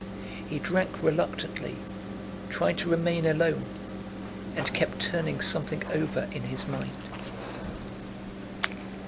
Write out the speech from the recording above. He drank reluctantly, tried to remain alone, and kept turning something over in his mind.